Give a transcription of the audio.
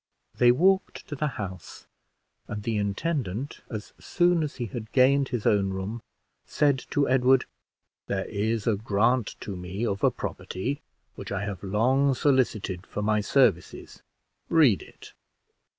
They walked to the house, and the intendant, as soon as he had gained his own room, said to Edward "There is a grant to me of a property which I have long solicited for my services read it."